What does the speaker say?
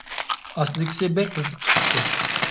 ئاستىدىكىسى بەك قىزىق چىقىپتۇ.